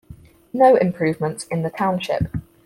No improvements in the Township.